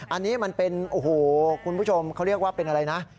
อันนี้มันเป็นโอ้โหคุณผู้ชมเขาเรียกว่าเป็นอะไรนะ